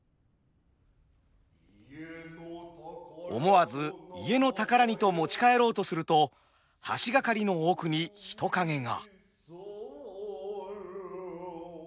思わず家の宝にと持ち帰ろうとすると橋掛かりの奥に人影が。